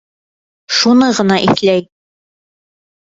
Шуны ғына иҫләй.